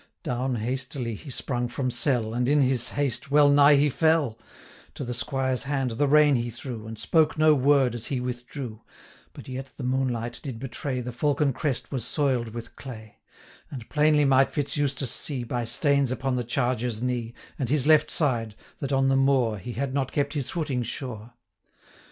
Down hastily he sprung from selle, And, in his haste, wellnigh he fell; 600 To the squire's hand the rein he threw, And spoke no word as he withdrew: But yet the moonlight did betray, The falcon crest was soil'd with clay; And plainly might Fitz Eustace see, 605 By stains upon the charger's knee, And his left side, that on the moor He had not kept his footing sure.